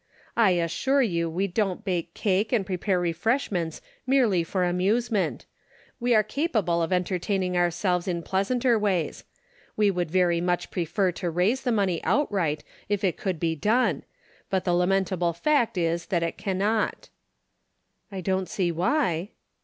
" I assure you we don't bake cake and prepare refreshments merely for amuse ment; we are capable of entertaining ourselves in pleasanter ways. We would very much prefer to raise the money outright if it could be done; but the lamentable fact is that it can not." "I don't see why."